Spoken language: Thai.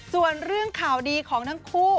ส่วนเรื่องข่าวดีของทั้งคู่